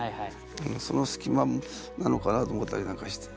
その隙間なのかなと思ったりなんかして。